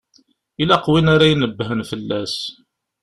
Ilaq win ara inebbhen fell-as.